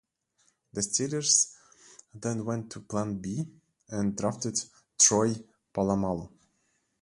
The Steelers then went to "Plan B" and drafted Troy Polamalu.